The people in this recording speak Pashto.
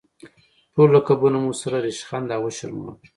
ټول لقبونه مو سره ریشخند او وشرمول.